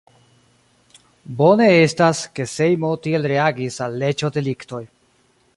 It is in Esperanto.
Bone estas, ke Sejmo tiel reagis al leĝo-deliktoj.